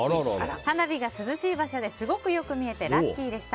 花火が涼しい場所ですごいよく見えてラッキーでした。